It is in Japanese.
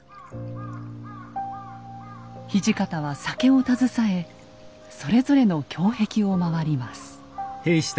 土方は酒を携えそれぞれの胸壁を回ります。